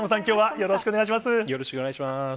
よろしくお願いします。